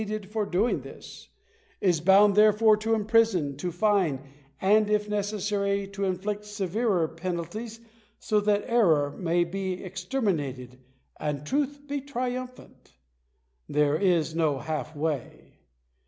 be needful for doing this — is bound, therefore, to imprison, to fine, and if necessary, to inflict severer penalties, so that error may be exterminated and truth be triumphant There is no half way.